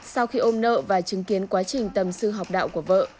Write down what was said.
sau khi ôm nợ và chứng kiến quá trình tầm sư học đạo của vợ